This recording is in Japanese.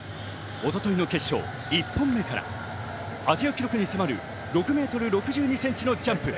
一昨日の決勝、１本目からアジア記録に迫る６ｍ６２ｃｍのジャンプ。